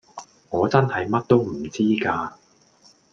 我真係乜都唔知㗎